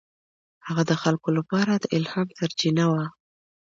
هغه د خلکو لپاره د الهام سرچینه وه.